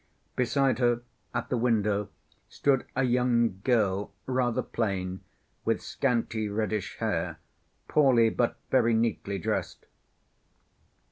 Beside her at the window stood a young girl, rather plain, with scanty reddish hair, poorly but very neatly dressed.